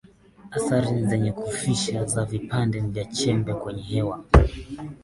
Athari zenye Kufisha za Vipande vya Chembe kwenye Hewa